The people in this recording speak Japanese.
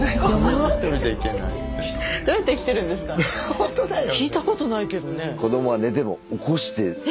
ほんとだよね。